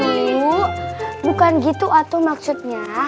ayu bukan gitu atu maksudnya